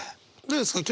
どうですか？